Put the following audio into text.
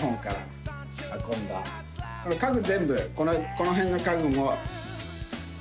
「この辺の家具も」